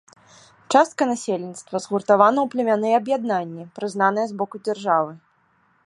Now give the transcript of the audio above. Частка насельніцтва згуртавана ў племянныя аб'яднанні, прызнаныя з боку дзяржавы.